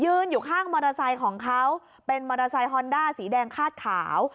อยู่ข้างมอเตอร์ไซค์ของเขาเป็นมอเตอร์ไซคอนด้าสีแดงคาดขาว